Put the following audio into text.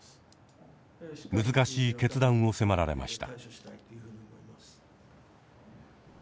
難しい決断を迫られました。